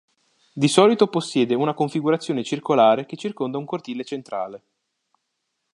Di solito possiede una configurazione circolare che circonda un cortile centrale.